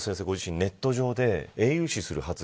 ネット上で英雄視される発言